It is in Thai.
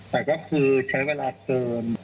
แต่ก็คือใช้เวลาเกิน